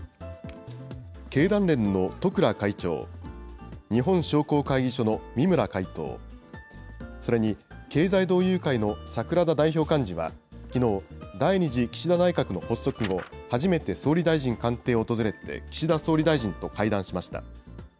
経団連の十倉会長、日本商工会議所の三村会頭、それに経済同友会の櫻田代表幹事はきのう、第２次岸田内閣の発足後、初めて総理大臣官邸を訪れて、岸田総理大臣と会談しました。